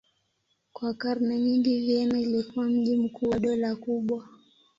Kwa karne nyingi Vienna ilikuwa mji mkuu wa dola kubwa.